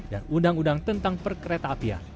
dan undang undang tentang perkereta apia